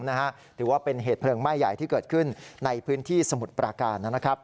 ถือว่าเป็นเหตุเพลิงไหม้ใหญ่ที่เกิดขึ้นในพื้นที่สมุทรปราการนะครับ